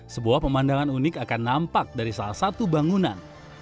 sebuah pemandangan unik akan nampak dari salah satu bangunan